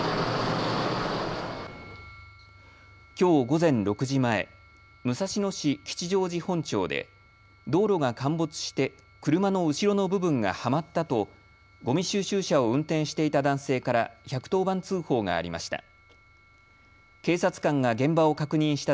きょう午前６時前、武蔵野市吉祥寺本町で道路が陥没して車の後ろの部分がはまったとごみ収集車を運転していた男性から１１０番通報がありました。